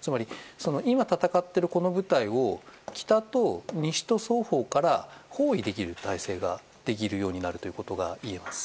つまり今戦っているこの部隊を北と西と双方から包囲できる態勢ができるようになるといえます。